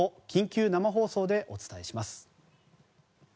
緊急生放送でお伝えします。